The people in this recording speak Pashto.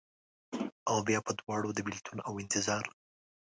اوبیا په دواړو، د بیلتون اوانتظار